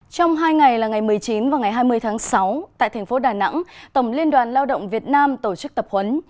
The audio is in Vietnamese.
trong hai ngày là ngày một mươi chín và ngày hai mươi tháng sáu tại thành phố đà nẵng tổng liên đoàn lao động việt nam tổ chức tập huấn